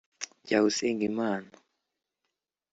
Jya usenga Imana